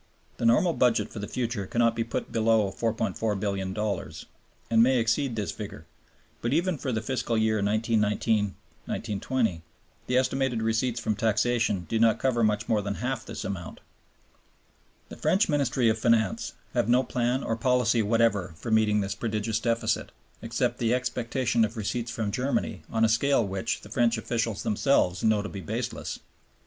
The normal budget for the future cannot be put below $4,400,000,000 (22 milliard francs), and may exceed this figure; but even for the fiscal year 1919 20 the estimated receipts from taxation do not cover much more than half this amount. The French Ministry of Finance have no plan or policy whatever for meeting this prodigious deficit, except the expectation of receipts from Germany on a scale which the French officials themselves know to be baseless.